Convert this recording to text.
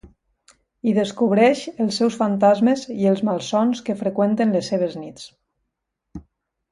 Hi descobreix els seus fantasmes i els malsons que freqüenten les seves nits.